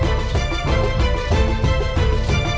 aku sangat jauh dari istana